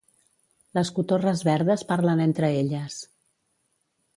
Les cotorres verdes parlen entre elles